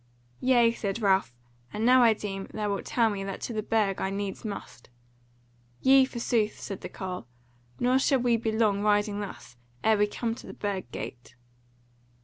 "Yea," said Ralph, "and now I deem thou wilt tell me that to the Burg I needs must." "Yea, forsooth," said the carle, "nor shall we be long, riding thus, ere we come to the Burg Gate."